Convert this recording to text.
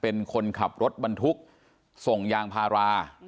เป็นคนขับรถบรรทุกส่งยางพารา